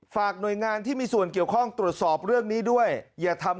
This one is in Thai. หน่วยงานที่มีส่วนเกี่ยวข้องตรวจสอบเรื่องนี้ด้วยอย่าทำ